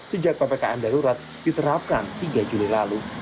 sejak ppkm darurat diterapkan tiga juli lalu